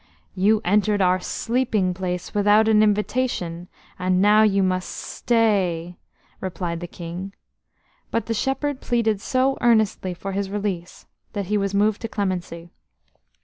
"You entered our sleeping place without an invitation, and now you must stay," replied the King; but the shepherd pleaded so earnestly for his release that he was moved to clemency.